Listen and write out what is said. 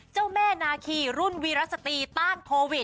เจ้าแม่นาคีรุ่นวีรสตรีต้านโควิด